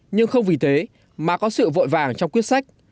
nhưng không vì thế mà có sự vội vàng trong quyết sách